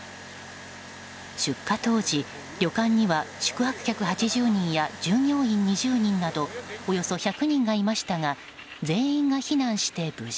出火当時、旅館には宿泊客８０人や従業員２０人などおよそ１００人がいましたが全員が避難して無事。